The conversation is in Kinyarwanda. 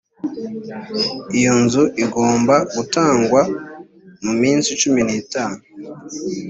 iyo nzu igomba gutangwa mu minsi cumi n’itanu